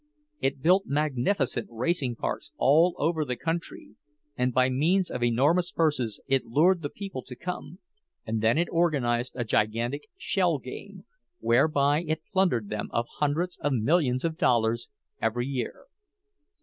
It built magnificent racing parks all over the country, and by means of enormous purses it lured the people to come, and then it organized a gigantic shell game, whereby it plundered them of hundreds of millions of dollars every year.